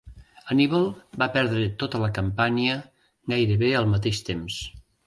Hanníbal va perdre tota la Campània gairebé al mateix temps.